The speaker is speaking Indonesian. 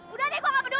udah deh gue gak peduli